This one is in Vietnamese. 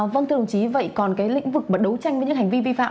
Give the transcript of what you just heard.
vâng thưa đồng chí vậy còn cái lĩnh vực mà đấu tranh với những hành vi vi phạm